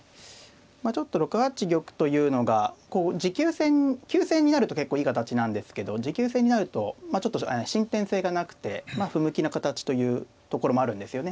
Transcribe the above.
まあちょっと６八玉というのがこう急戦になると結構いい形なんですけど持久戦になるとまあちょっと進展性がなくてまあ不向きな形というところもあるんですよね。